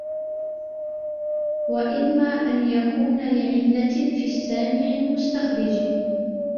وَإِمَّا أَنْ يَكُونَ لِعِلَّةٍ فِي السَّامِعِ الْمُسْتَخْرِجِ